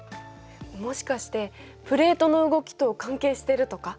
もしかしてプレートの動きと関係してるとか？